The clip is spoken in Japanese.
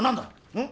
うん？